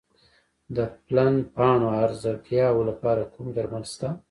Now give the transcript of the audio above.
د پلن پاڼو هرزه ګیاوو لپاره کوم درمل شته؟